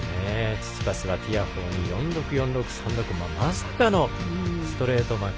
チチパスはティアフォーに４−６、４−６、３−６のまさかのストレート負け。